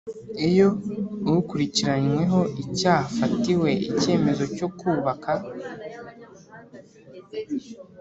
Iyo ukurikiranyweho icyaha afatiwe icyemezo cyo kubaka